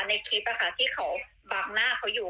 ในคลิปที่เขาบังหน้าเขาอยู่